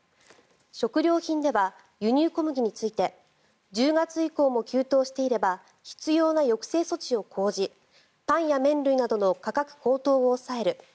食料品では輸入小麦について１０月以降も急騰していれば必要な抑制措置を講じパンや麺類などの価格高騰を抑える。